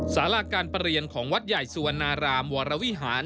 สาราการประเรียนของวัดใหญ่สุวรรณารามวรวิหาร